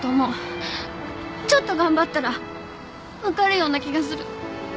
ちょっと頑張ったら分かるような気がする。